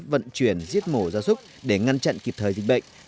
vận chuyển giết mổ ra súc để ngăn chặn kịp thời dịch bệnh